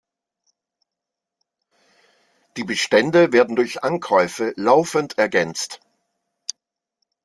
Die Bestände werden durch Ankäufe laufend ergänzt.